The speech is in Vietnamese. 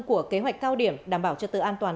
của kế hoạch cao điểm đảm bảo trật tự an toàn